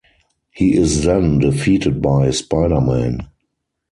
He is then defeated by Spider-Man.